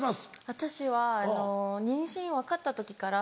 私は妊娠分かった時から。